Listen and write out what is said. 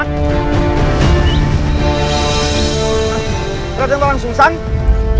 tidak ada yang tolong susah